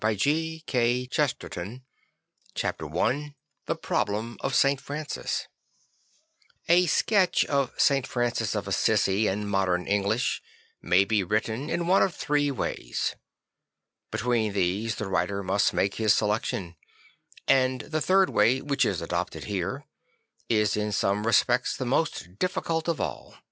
FRANCIS 17 2 v Chapter 1 crhe Problem of St. FranciJ A SKETCH of St. Francis of Assisi in modem English may be written in one of three ways. Between these the writer must make his selection; and the third way, which is adopted here, is in some respects the most difficult of all.